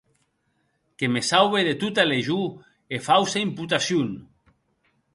Que me sauve de tota lejor e fausa imputacion!